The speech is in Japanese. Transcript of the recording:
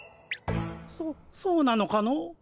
そそうなのかの？